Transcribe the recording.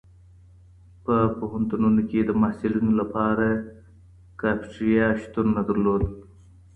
په پوهنتونونو کي د محصلینو لپاره کافټريا شتون نه درلود.